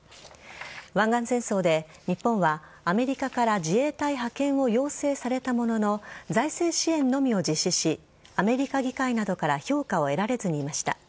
湾岸戦争で日本はアメリカから自衛隊派遣を要請されたものの財政支援のみを実施しアメリカ議会などから評価を得られずにいました。